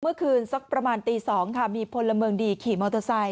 เมื่อคืนสักประมาณตี๒ค่ะมีพลเมืองดีขี่มอเตอร์ไซค